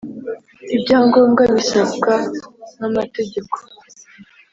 Ibyangombwa bisabwa n amategeko